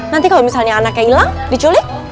nanti kalau misalnya anaknya hilang diculik